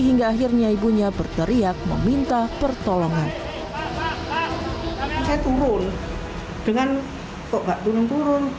hingga akhirnya ibunya berteriak meminta pertolongan saya turun dengan kok nggak turun turun